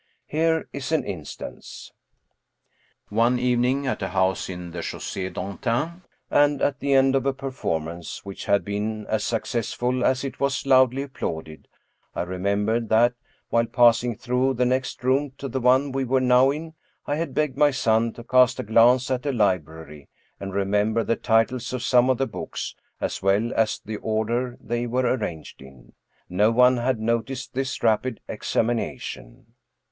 Here is an instance: One evening, at a house in the Chaussee d'Antin, and at the end of a performance which had been as successful as it was loudly applauded, I remembered that, while passing through the next room to the one we were now in, I had begged my son to cast a glance at a library and remember the titles of some of the books, as well as the order they were arranged in. No one had noticed this rapid examination.